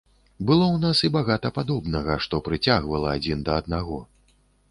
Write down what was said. Было ў нас і багата падобнага, што прыцягвала адзін да аднаго.